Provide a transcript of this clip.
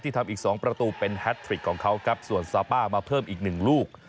ทำอีกสองประตูเป็นแฮทริกของเขาครับส่วนซาป้ามาเพิ่มอีกหนึ่งลูก